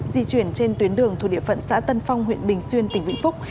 di chuyển trên tuyến đường thuộc địa phận xã tân phong huyện bình xuyên tỉnh vĩnh phúc